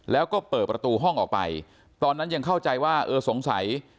แล้วก็เปิดประตูห้องออกไปตอนนั้นยังเข้าใจว่าเออสงสัย